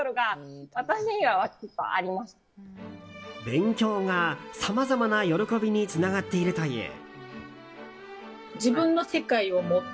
勉強が、さまざまな喜びにつながっているという。